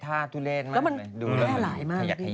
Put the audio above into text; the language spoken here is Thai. ก็มันแร่หลายมาก